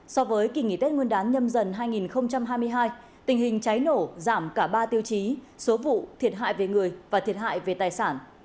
so với kỳ nghỉ tết nguyên đán nhâm dần hai nghìn hai mươi hai tình hình cháy nổ giảm cả ba tiêu chí số vụ thiệt hại về người và thiệt hại về tài sản